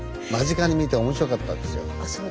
間近に見て面白かったですよ。